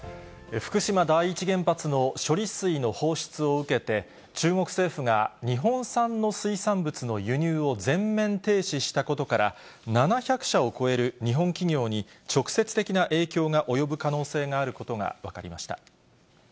福島第一原発の処理水の放出を受けて、中国政府が日本産の水産物の輸入を全面停止したことから、７００社を超える日本企業に、直接的な影響が及ぶ可能性があることが分かりました。